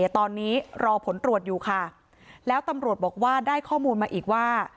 ตอนนี้รอผลตรวจอยู่ค่ะแล้วตำรวจบอกว่าได้ข้อมูลมาอีกว่า